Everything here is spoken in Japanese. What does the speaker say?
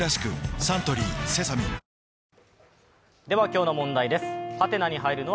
今日の問題です。